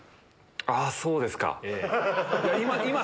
あそうですか。